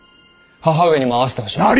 母上にも会わせてほしい。